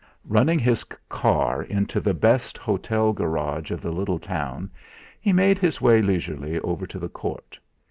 Running his car into the best hotel garage of the little town, he made his way leisurely over to the court.